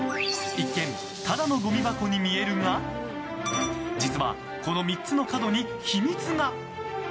一見、ただのゴミ箱に見えるが実は、この３つの角に秘密が。